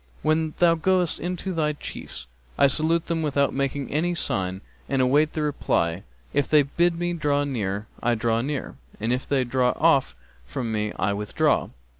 'When thou goest in to thy chiefs?' 'I salute without making any sign and await the reply: if they bid me draw near, I draw near, and if they draw off from me I withdraw!'